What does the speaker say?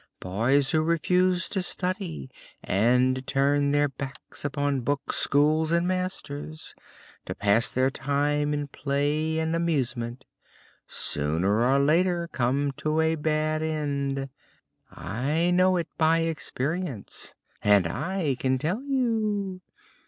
Boys who refuse to study and turn their backs upon books, schools and masters, to pass their time in play and amusement, sooner or later come to a bad end. I know it by experience, and I can tell you.